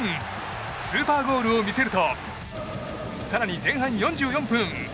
スーパーゴールを見せると更に前半４４分。